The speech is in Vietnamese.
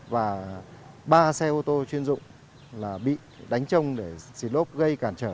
và ba xe ô tô chuyên dụng bị đánh trông để xịt lốp gây cản trở